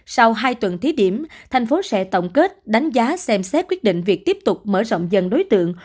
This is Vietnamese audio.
sau hai tuần thí điểm thành phố sẽ tổng kết đánh giá xem xét quyết định việc tiếp tục mở rộng dần đối tượng